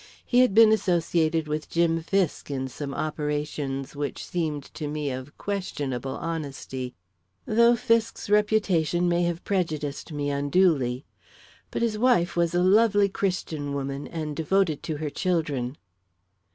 He had been associated with Jim Fisk in some operations which seemed to me of questionable honesty though Fisk's reputation may have prejudiced me unduly. But his wife was a lovely Christian woman, and devoted to her children."